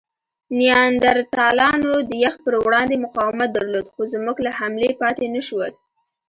نیاندرتالانو د یخ پر وړاندې مقاومت درلود؛ خو زموږ له حملې پاتې نهشول.